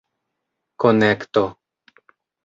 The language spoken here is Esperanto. konekto